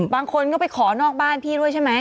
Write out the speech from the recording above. บางคนก็ไปขอนอกบ้านพี่ด้วยใช่ไหม